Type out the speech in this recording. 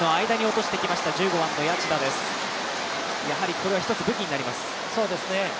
これは一つ武器になります。